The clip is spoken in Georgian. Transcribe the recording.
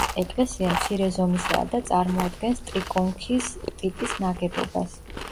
ეკლესია მცირე ზომისაა და წარმოადგენს ტრიკონქის ტიპის ნაგებობას.